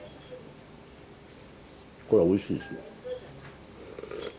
これはおいしいですよ。